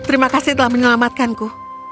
terima kasih telah menyelamatkanku